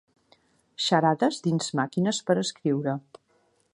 Xarades dins Màquines per escriure.